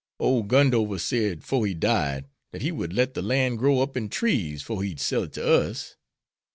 Ole Gundover said, 'fore he died, dat he would let de lan' grow up in trees 'fore he'd sell it to us.